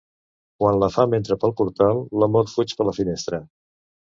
Quan la fam entra pel portal, l'amor fuig per la finestra.